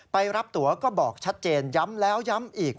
ไปรับตัวก็บอกชัดเจนย้ำแล้วย้ำอีก